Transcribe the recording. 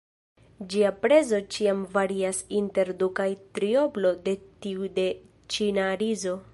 Ĝia prezo ĉiam varias inter du- kaj trioblo de tiu de ĉina rizo.